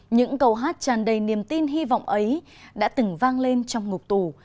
những câu hát tràn đầy niềm tin hy vọng ấy đã từng vang lên trong ngục tù